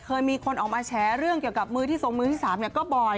เคยมีคนออกมาแฉเรื่องเกี่ยวกับมือที่ทรงมือที่๓ก็บ่อย